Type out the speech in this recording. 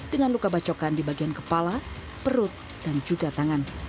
dengan luka bacokan di bagian kepala perut dan juga tangan